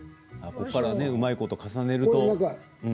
ここからうまいこと重ねると。